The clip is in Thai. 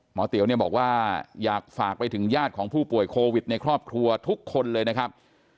เตี๋ยวเนี่ยบอกว่าอยากฝากไปถึงญาติของผู้ป่วยโควิดในครอบครัวทุกคนเลยนะครับ